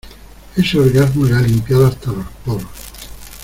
ese orgasmo le ha limpiado hasta los poros.